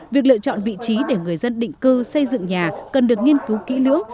việc lựa chọn vị trí để người dân định cư xây dựng nhà cần được nghiên cứu kỹ lưỡng